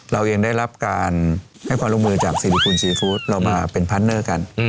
เราเองได้รับการให้ความลงมือจากซีริฟุนซีฟู้ดเรามาเป็นพัทเนอร์กันอืม